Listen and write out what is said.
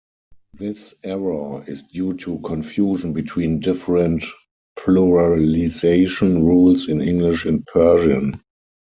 This error is due to confusion between different pluralization rules in English and Persian.